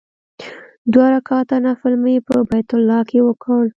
دوه رکعاته نفل مې په بیت الله کې وکړ.